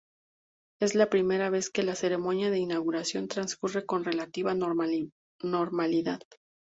Es la primera vez que la ceremonia de inauguración transcurre con relativa normalidad.